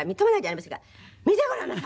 「見てごらんなさい！